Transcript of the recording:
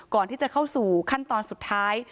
ก่อนที่จะเข้าสู่ขั้นตอนสุดท้าย